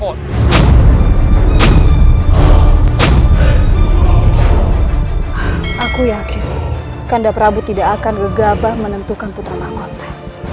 aku yakin ganda prabu tidak akan gegabah menentukan putra mahkota